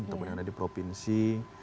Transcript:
tempat yang ada di provinsi